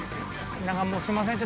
すいません